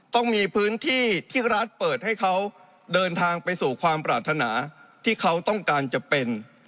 ต้องมีพื้นที่ที่รัฐเปิดให้เขาเดินทางไปสู่ความปรารถนาที่เขาต้องการจะเป็น